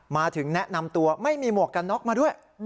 มาถึงแนะนำตัวไม่มีหมวกกันน็อกมาด้วย